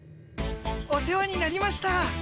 お世話になりました。